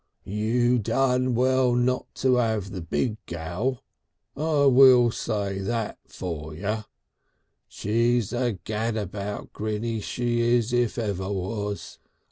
"You done well not to 'ave the big gal. I will say that for ye. She's a gad about grinny, she is, if ever was.